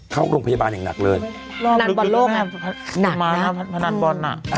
เข้าโรงพยาบาลอย่างหนักเลยนั่นบอลโลกหนักนะผนันบอลน่ะ